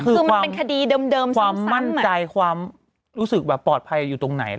คือมันเป็นคดีเดิมความมั่นใจความรู้สึกแบบปลอดภัยอยู่ตรงไหน